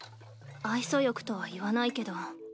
愛想よくとは言わないけど。